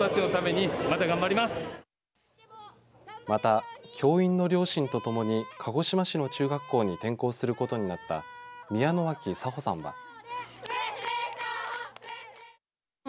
また、教員の両親とともに鹿児島市の中学校に転校することになった宮之脇佐望さんは。